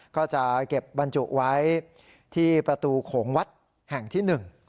ก็จะเก็บบรรจุไว้ที่ประตูโขงวัดแห่งที่หนึ่ง